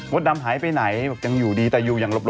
มดดำหายไปไหนยังอยู่ดีแต่อยู่อย่างหลบซ่อน